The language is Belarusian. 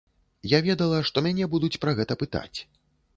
Я ведала, што мяне будуць пра гэта пытаць.